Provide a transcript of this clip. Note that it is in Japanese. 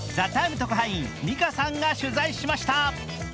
特派員ＭＩＫＡさんが取材しました。